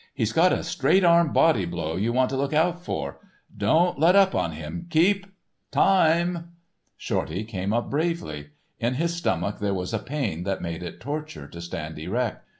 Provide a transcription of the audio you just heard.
He's got a straight arm body blow you want to look out for. Don't let up on him. Keep—" "Time!" Shorty came up bravely. In his stomach there was a pain that made it torture to stand erect.